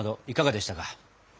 いかがでしたか。